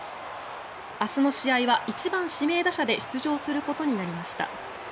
明日の試合は１番指名打者で出場することになりました。